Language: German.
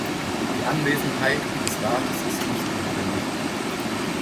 Die Anwesenheit des Rates ist nicht notwendig.